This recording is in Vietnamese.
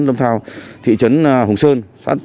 lâm thao thị trấn hùng sơn